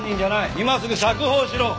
今すぐ釈放しろ！